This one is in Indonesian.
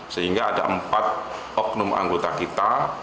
sehingga ada empat oknum anggota kita